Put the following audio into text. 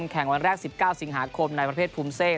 เป็นแข่งวันแรก๑๙สิงหาคมในประเภทภูมิเศษ